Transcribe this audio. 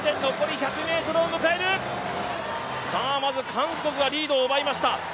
韓国がリードを奪いました。